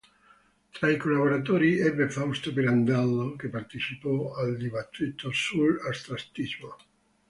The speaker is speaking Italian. Tra i collaboratori ebbe Fausto Pirandello, che partecipò al dibattito sull'astrattismo.